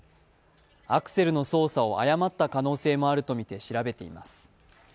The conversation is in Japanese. アクセルの操作を誤った可能性もあるとみて調べています。